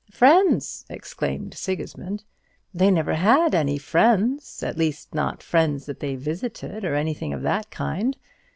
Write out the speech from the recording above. "Friends!" exclaimed Sigismund; "they never had any friends at least not friends that they visited, or anything of that kind.